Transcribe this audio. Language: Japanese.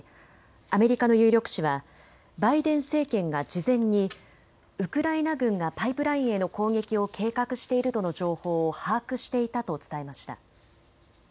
アメリカの有力紙はバイデン政権が事前にウクライナ軍がパイプラインへの攻撃を計画しているとの情報を把握していたと伝えました。